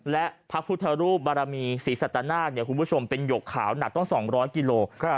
และพระพุทธรูปบารมีศรีสัตนาคคุณผู้ชมเป็นหยกขาวหนักต้อง๒๐๐กิโล